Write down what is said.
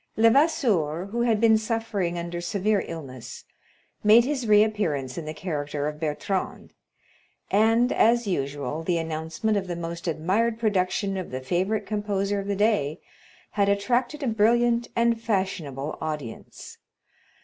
Levasseur, who had been suffering under severe illness, made his reappearance in the character of Bertram, and, as usual, the announcement of the most admired production of the favorite composer of the day had attracted a brilliant and fashionable audience.